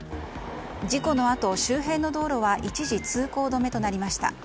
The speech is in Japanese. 事故のあと周辺の道路は一時通行止めとなりました。